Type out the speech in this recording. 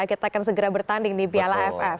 kita akan segera bertanding di piala aff